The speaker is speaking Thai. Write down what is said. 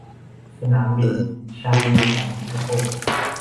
สนามบินชางงีของสิงคโปร์